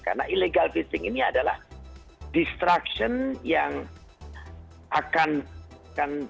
karena illegal fishing ini adalah distraction yang akan